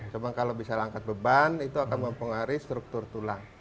cuma kalau bisa angkat beban itu akan mempengaruhi struktur tulang